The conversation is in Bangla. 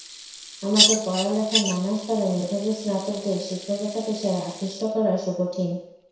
আমাদের পড়ালেখার নানা স্তরে মেধাবী স্নাতকদের শিক্ষকতা পেশায় আকৃষ্ট করা সুকঠিন।